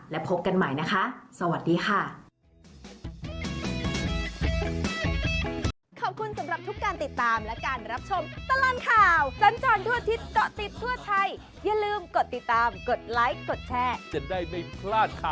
และพบกันใหม่นะคะ